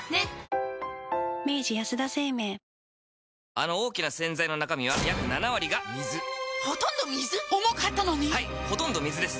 あの大きな洗剤の中身は約７割が水ほとんど水⁉重かったのに⁉はいほとんど水です